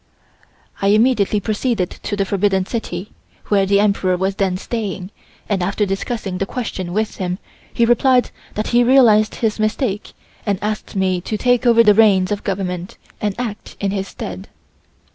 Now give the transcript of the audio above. I immediately proceeded to the Forbidden City, where the Emperor was then staying and after discussing the question with him he replied that he realized his mistake and asked me to take over the reins of government and act in his stead."